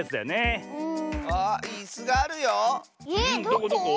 どこどこ？